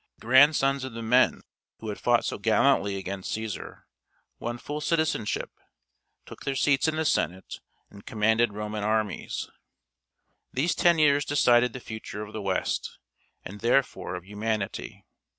The grandsons of the men who had fought so gallantly against Cæsar, won full citizenship, took their seats in the Senate, and commanded Roman armies. These ten years decided the future of the West, and therefore of Humanity.